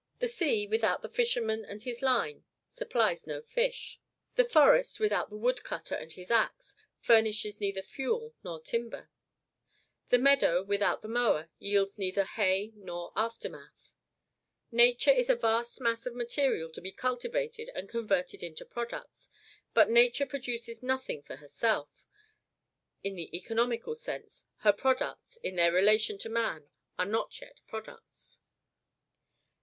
The sea, without the fisherman and his line, supplies no fish. The forest, without the wood cutter and his axe, furnishes neither fuel nor timber. The meadow, without the mower, yields neither hay nor aftermath. Nature is a vast mass of material to be cultivated and converted into products; but Nature produces nothing for herself: in the economical sense, her products, in their relation to man, are not yet products.